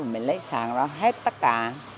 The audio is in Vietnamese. mình lấy sản đó hết tất cả